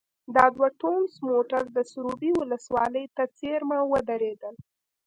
دا دوه ټونس موټر د سروبي ولسوالۍ ته څېرمه ودرېدل.